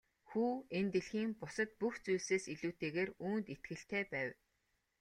Хүү энэ дэлхийн бусад бүх зүйлсээс илүүтэйгээр үүнд итгэлтэй байв.